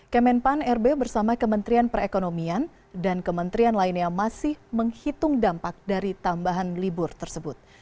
kemenpan rb bersama kementerian perekonomian dan kementerian lainnya masih menghitung dampak dari tambahan libur tersebut